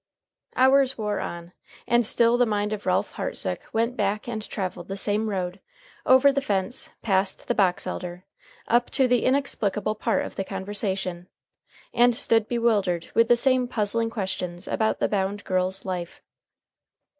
Hours wore on, and still the mind of Ralph Hartsook went back and traveled the same road, over the fence, past the box elder, up to the inexplicable part of the conversation, and stood bewildered with the same puzzling questions about the bound girl's life.